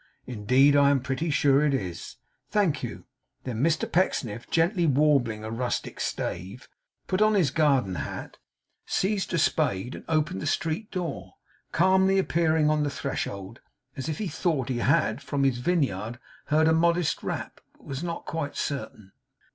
Indeed I am pretty sure it is. Thank you.' Then Mr Pecksniff, gently warbling a rustic stave, put on his garden hat, seized a spade, and opened the street door; calmly appearing on the threshold, as if he thought he had, from his vineyard, heard a modest rap, but was not quite certain.